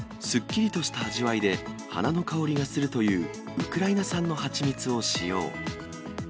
すっきりとした味わいで、花の香りがするというウクライナ産の蜂蜜を使用。